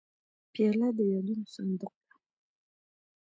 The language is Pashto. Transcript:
پیاله د یادونو صندوق ده.